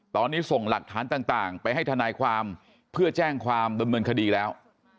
ตอนนี้ส่งหลักฐานต่างไปให้ทนายความเพื่อแจ้งความดำเนินคดีแล้ว